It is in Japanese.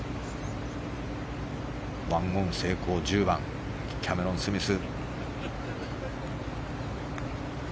１オン成功、１０番キャメロン・スミス。